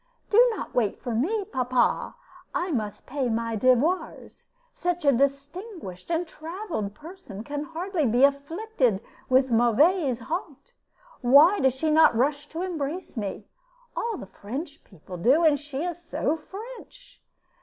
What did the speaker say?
Do not wait for me, papa; I must pay my devoirs. Such a distinguished and travelled person can hardly be afflicted with mauvaise honte. Why does she not rush to embrace me? All the French people do; and she is so French!